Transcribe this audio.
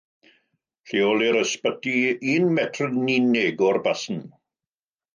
Lleolir ysbyty un metr yn unig o'r basn.